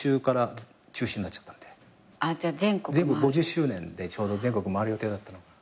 ５０周年でちょうど全国回る予定だったの。